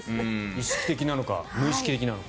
意識的なのか無意識的なのか。